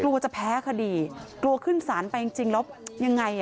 กลัวจะแพ้คดีกลัวขึ้นศาลไปจริงแล้วยังไงอ่ะ